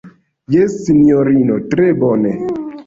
Jes, sinjorino, tre bone.